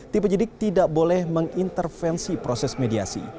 tipe jidik tidak boleh mengintervensi proses mediasi